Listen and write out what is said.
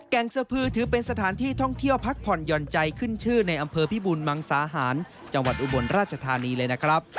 งสะพือถือเป็นสถานที่ท่องเที่ยวพักผ่อนหย่อนใจขึ้นชื่อในอำเภอพิบูลมังสาหารจังหวัดอุบลราชธานีเลยนะครับ